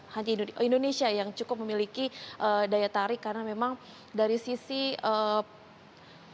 hanya indonesia yang cukup memiliki daya tarik karena memang dari sisi investasi maupun rupiah juga cukup stabil untuk saat ini